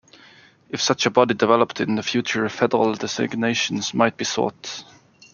If such a body developed in the future, federal designation might be sought.